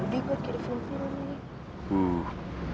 bisa kalau bodyguard jadi film film nih